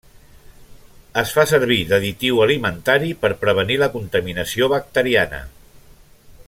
Es fa servir d'additiu alimentari per prevenir la contaminació bacteriana.